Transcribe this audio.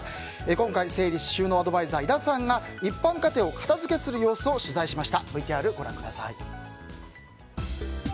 今回、整理収納アドバイザー井田さんが一般家庭を片付けする様子を取材しました。